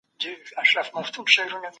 دا اصول په عمومي ډول نه دي منل سوي.